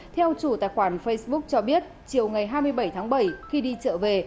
theo chủ tài khoản facebook cho biết chiều ngày hai mươi bảy tháng bảy khi đi chợ về